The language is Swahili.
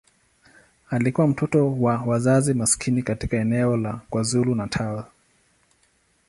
Alikuwa mtoto wa wazazi maskini katika eneo la KwaZulu-Natal.